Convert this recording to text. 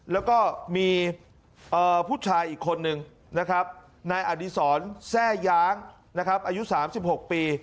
แล้วก็มีผู้ชายอีกคนนึงนายอดีศรแซ่ย้างอายุสามสิบหกปี